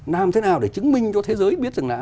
làm thế nào để chứng minh cho thế giới biết rằng là